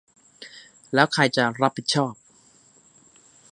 แล้วใครจะรับผิดชอบ ?